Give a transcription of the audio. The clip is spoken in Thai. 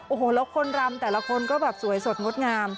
โอ้โหแล้วคนรำแต่ละคนก็แบบสวยสดงดงาม